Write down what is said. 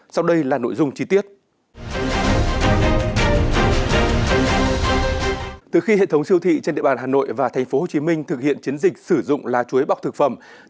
sau đây là nội dung chi tiết